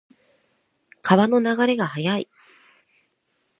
川の流れが速い。